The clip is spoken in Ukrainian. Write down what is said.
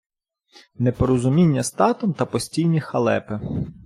непорозуміння з татом та постійні халепи